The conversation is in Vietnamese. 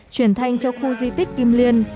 chuyển thanh cho khu di tích kim liên